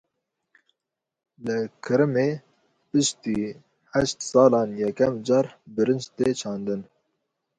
Li Kirimê piştî heşt salan yekem car birinc tê çandin.